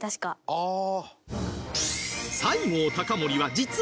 ああ！